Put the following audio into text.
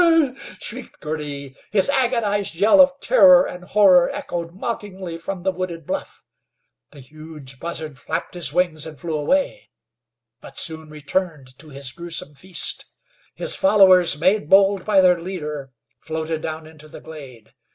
"Ah h! Ah h!" shrieked Girty. His agonized yell of terror and horror echoed mockingly from the wooded bluff. The huge buzzard flapped his wings and flew away, but soon returned to his gruesome feast. His followers, made bold by their leader, floated down into the glade.